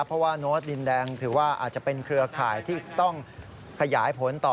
เพราะว่าโน้ตดินแดงถือว่าอาจจะเป็นเครือข่ายที่ต้องขยายผลต่อ